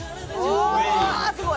「うわーすごい！」